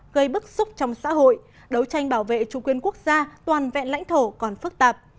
gây bức xúc trong xã hội đấu tranh bảo vệ chủ quyền quốc gia toàn vẹn lãnh thổ còn phức tạp